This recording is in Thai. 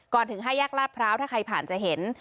ถึง๕แยกลาดพร้าวถ้าใครผ่านจะเห็น